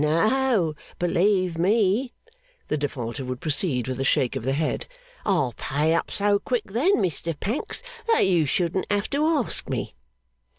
No, believe me!' the Defaulter would proceed with a shake of the head. 'I'd pay up so quick then, Mr Pancks, that you shouldn't have to ask me.